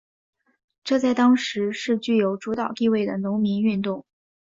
这在当时是具有主导地位的农民运动。